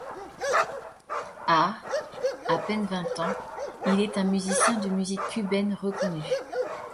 À à peine vingt ans, il est un musicien de musique cubaine reconnu.